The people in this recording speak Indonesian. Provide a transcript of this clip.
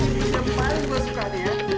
ini ini teman gue suka nih yuk